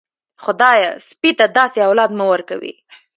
خدايه سپي ته داسې اولاد مه ورکوې.